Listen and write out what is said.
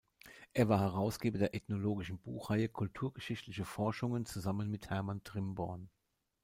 Er war Herausgeber der ethnologischen Buchreihe "Kulturgeschichtliche Forschungen", zusammen mit Hermann Trimborn.